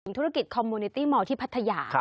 พูดถึงธุรกิจคอมโมนิตี้มที่พัทยา